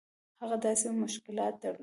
هغه داسې مشکلات درلودل.